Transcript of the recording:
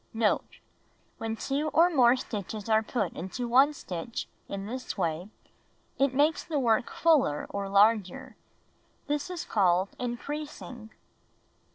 Note. — Wlien 2 or more stitches are put into 1 stitch in this way, it makes the work fuller or larger. This is called "increasing."